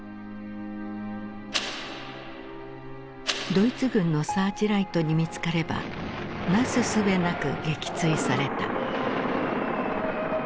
ドイツ軍のサーチライトに見つかればなすすべなく撃墜された。